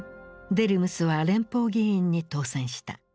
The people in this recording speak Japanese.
デルムスは連邦議員に当選した。